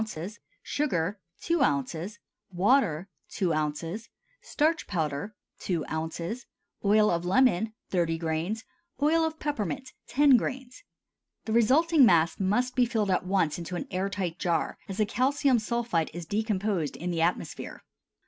Sugar 2 oz. Water 2 oz. Starch powder 2 oz. Oil of lemon 30 grains. Oil of peppermint 10 grains. The resulting mass must be filled at once into an air tight jar, as the calcium sulphide is decomposed in the atmosphere.